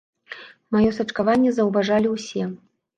Маё сачкаванне заўважалі ўсе.